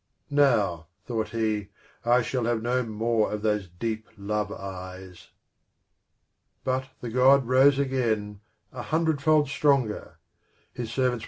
" Now," thought he, " I shall have no more of those deep love eyes." But the God rose again, a hundredfold stronger.